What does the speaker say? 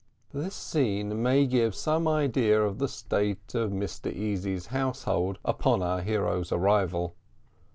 This scene may give some idea of the state of Mr Easy's household upon our hero's arrival.